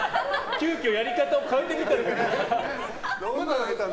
急きょやり方を変えてみたのに。